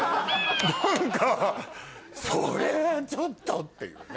何かそれはちょっとっていうね。